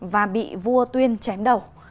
và bị vua tuyên chém đầu